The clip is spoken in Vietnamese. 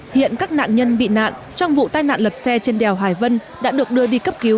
hiện các nạn nhân bị nạn trong vụ tai nạn lật xe trên đèo hải vân đã được đưa đi cấp cứu